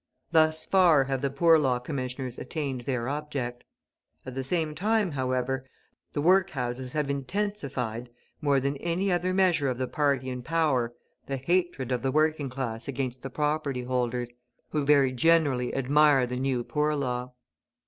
Thus far have the Poor Law Commissioners attained their object. At the same time, however, the workhouses have intensified, more than any other measure of the party in power, the hatred of the working class against the property holders, who very generally admire the New Poor Law.